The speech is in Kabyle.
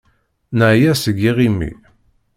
Neεya seg yiɣimi.